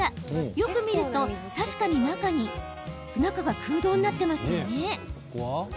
よく見ると、確かに中が空洞になっていますよね。